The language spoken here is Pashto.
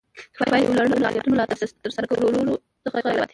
کفایت د یو لړ فعالیتونو له ترسره کولو څخه عبارت دی.